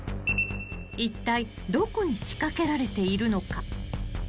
［いったいどこに仕掛けられているのか］